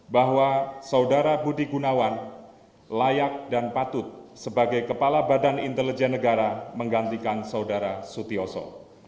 bahwa saudara budi gunawan layak dan patut sebagai kepala badan intelijen negara menggantikan saudara sutioso